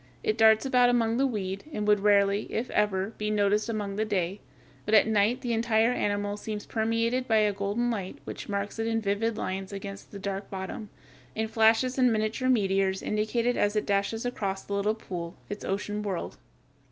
It darts about among the weed, and would rarely, if ever, be noticed during the day; but at night the entire animal seems permeated with a golden light which marks it in vivid lines against the dark bottom, and flashes and miniature meteors indicate it as it dashes across the little pool, its ocean world.